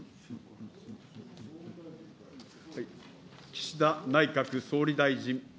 岸田内閣総理大臣。